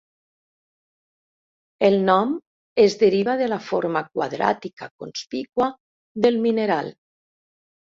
El nom es deriva de la forma quadràtica conspícua del mineral.